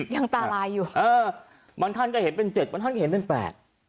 ยังตาลายอยู่เออบางท่านก็เห็นเป็นเจ็ดบางท่านเห็นเป็นแปด